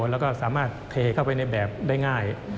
แล้วก็สามารถเทเข้าไปในแบบได้ง่าย